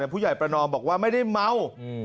ผู้ใหญ่ประนอมบอกว่าไม่ได้เมา